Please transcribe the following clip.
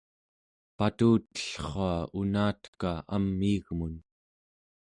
patutellrua unateka amiigmun